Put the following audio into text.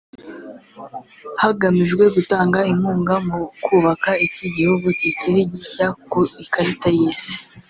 hagamijwe gutanga inkunga mu kubaka iki gihugu kikiri gishya ku ikarita y’isi